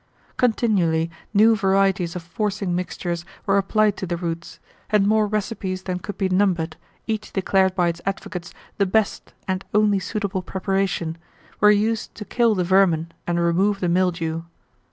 Continually new varieties of forcing mixtures were applied to the roots, and more recipes than could be numbered, each declared by its advocates the best and only suitable preparation, were used to kill the vermin and remove the mildew.